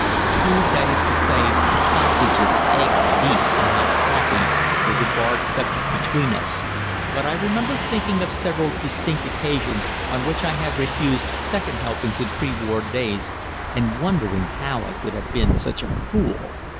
Food that is to say, sausages, eggs, beef, and hot coffee was a barred subject between us, but I remember thinking of several distinct occasions on which I had refused second helpings in pre war days, and wondering how I could have been such a fool.